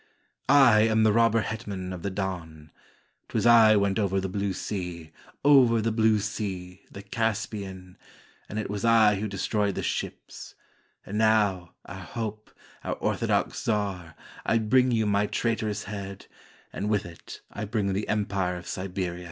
I am the robber hetman of the Don; 'T was I went over the blue sea, Over the blue sea, the Caspian; And it was I who destroyed the ships; And now, our hope, our orthodox czar, I bring you my traitorous head, And with it I bring the empire of Siberia."